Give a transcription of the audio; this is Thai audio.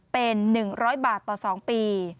เป็น๑๐๐บาทต่อ๒ปี